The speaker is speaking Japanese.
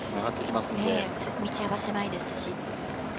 道幅、狭いですし。